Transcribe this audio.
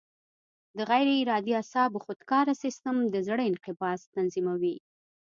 د غیر ارادي اعصابو خودکاره سیستم د زړه انقباض تنظیموي.